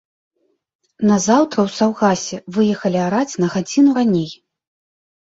Назаўтра ў саўгасе выехалі араць на гадзіну раней.